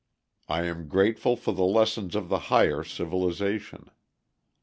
I am grateful for the lessons of the higher civilization.